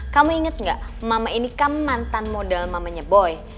kamu inget gak mama ini kan mantan model mamanya boy